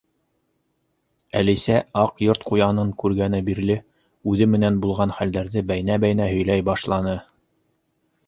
Әлисә Аҡ Йорт ҡуянын күргәне бирле үҙе менән булған хәлдәрҙе бәйнә-бәйнә һөйләй башланы.